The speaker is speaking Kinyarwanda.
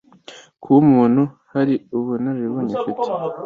Kuba umuntu hari ubunararibonye afite